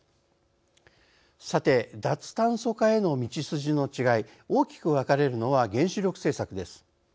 さて、脱炭素化への道筋の違い大きく分かれるのは原子力政策です。